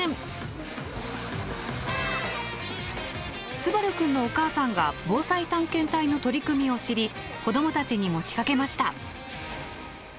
統陽くんのお母さんが「ぼうさい探検隊」の取り組みを知り子どもたちに持ちかけました。